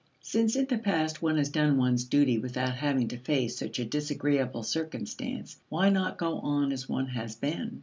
Since in the past one has done one's duty without having to face such a disagreeable circumstance, why not go on as one has been?